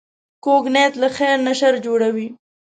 کوږ نیت له خیر نه شر جوړوي